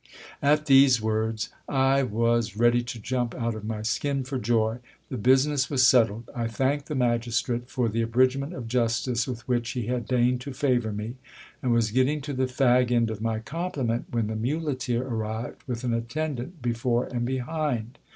At these words I was ready to jump out of my skin for joy. The business was settled ! I thanked the magistrate for the abridgment of justice with which he had deigned to favour me, and was getting to the fag end of my compliment, when the muleteer arrived, with an attendant before and behind.